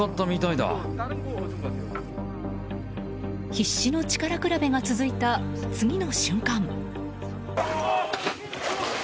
必死の力比べが続いた次の瞬間。